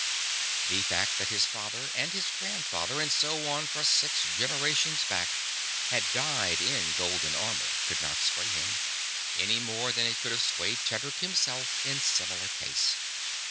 The fact that his father and his grandfather and so on for six generations back had died in golden armor could not sway him, any more than it could have swayed Tedric himself in similar case.